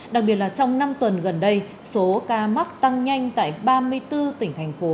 đặc biệt là trong năm tuần gần đây số ca mắc tăng nhanh tại ba mươi bốn tỉnh thành phố